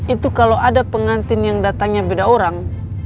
itu kalau ada pengantin yang datangnya beda orang